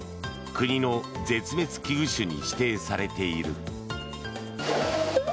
国の絶滅危惧種に指定されている。